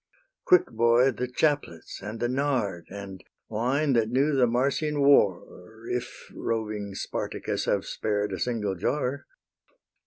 Quick, boy, the chaplets and the nard, And wine, that knew the Marsian war, If roving Spartacus have spared A single jar.